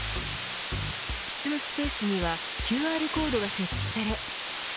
執務スペースにはＱＲコードが設置され。